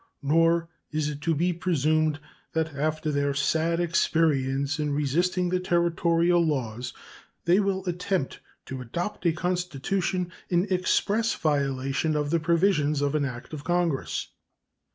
Nor is it to be presumed that after their sad experience in resisting the Territorial laws they will attempt to adopt a constitution in express violation of the provisions of an act of Congress.